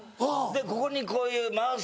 ここにこういうマウス。